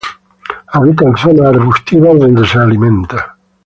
Habita en zonas arbustivas donde se alimenta.